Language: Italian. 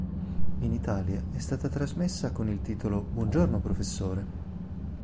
In Italia è stata trasmessa con il titolo "Buongiorno professore".